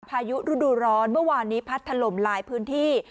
พายุฤดูร้อนเมื่อวานนี้พัดถล่มหลายพื้นที่